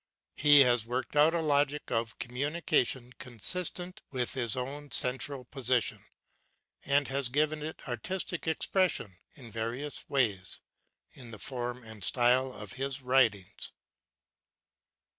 He has worked out a logic of com munication consistent with his central position, and has given it artistic expression, in various ways, in the form and style of his writings.